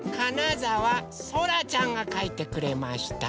ざわそらちゃんがかいてくれました。